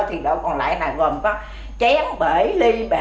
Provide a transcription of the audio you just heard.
thì độ còn lại là gồm có chén bể ly bể